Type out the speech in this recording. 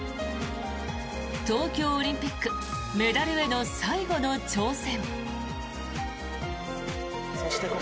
東京オリンピックメダルへの最後の挑戦。